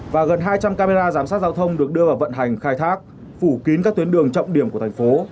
và gần hai trăm linh camera giám sát giao thông được đưa vào vận hành khai thác phủ kín các tuyến đường trọng điểm của thành phố